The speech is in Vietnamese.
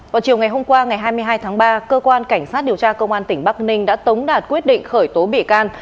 vào chiều ngày hôm qua ngày hai mươi hai tháng ba cơ quan cảnh sát điều tra công an tỉnh bắc ninh đã tống đạt quyết định khởi tố bị can